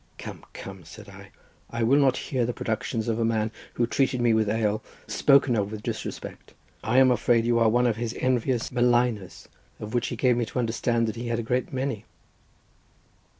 "Come, come," said I, "I will not hear the productions of a man who treated me with ale spoken of with disrespect. I am afraid that you are one of his envious maligners, of which he gave me to understand that he had a great many."